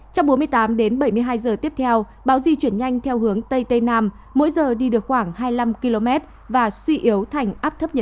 trong bốn mươi tám đến bảy mươi hai giờ tiếp theo bão di chuyển nhanh theo hướng tây mỗi giờ đi được khoảng hai mươi năm km đi vào biển đông